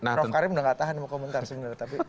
prof karin sudah nggak tahan mau komentar sebenarnya tapi